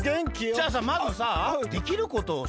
じゃあさまずさできることをさ